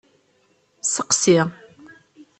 Seqsi.